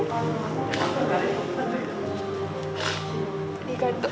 ありがとう。